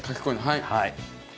はい。